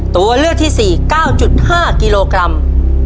ตัวเลือกที่๔๙๕กิโลกรัม